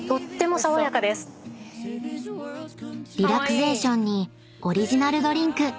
［リラクゼーションにオリジナルドリンク］